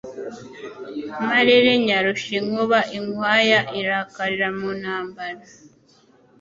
Amarere nyarusha inkubaInkwaya irakarira mu ntambara